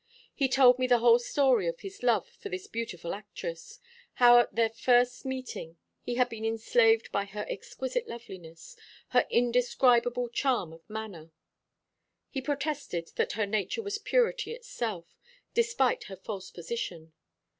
He told me the whole story of his love for this beautiful actress; how at their first meeting he had been enslaved by her exquisite loveliness, her indescribable charm of manner. He protested that her nature was purity itself, despite her false position.